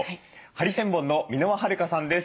ハリセンボンの箕輪はるかさんです。